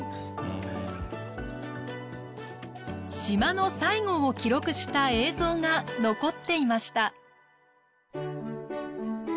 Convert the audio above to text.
島の最後を記録した映像が残っていました。